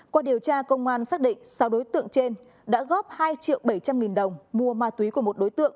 qua điều tra công an xác định sáu đối tượng trên đã góp hai triệu bảy trăm linh nghìn đồng mua ma túy của một đối tượng